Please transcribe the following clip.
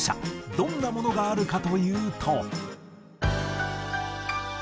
どんなものがあるかというと。